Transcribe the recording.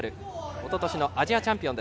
おととしのアジアチャンピオン。